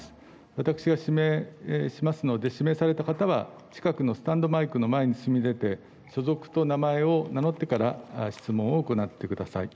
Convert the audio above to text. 私が指名しますので指名された方は近くのスタンドマイクの前に進み出て所属と名前を名乗ってから質問を行ってください。